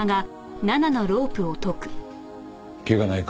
怪我ないか？